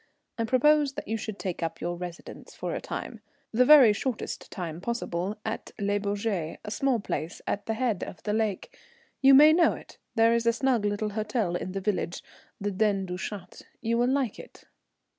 "I propose that you should take up your residence for a time the very shortest time possible at Le Bourget, a small place at the head of the lake. You may know it; there is a snug little hotel in the village, the Dent du Chat. You will like it."